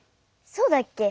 そうだっけ？